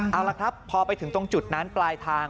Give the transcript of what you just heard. เอาละครับพอไปถึงตรงจุดนั้นปลายทาง